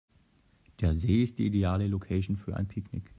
Der See ist die ideale Location für ein Picknick.